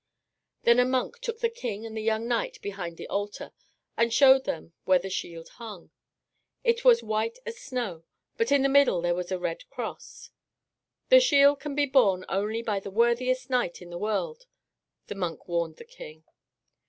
Then a monk took the king and the young knight behind the altar, and showed them where the shield hung. It was as white as snow, but in the middle there was a red cross. "The shield can be borne only by the worthiest knight in the world," the monk warned the king.